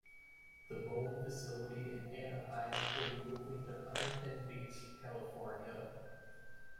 The Boeing facility in Anaheim will be moving to Huntington Beach, California.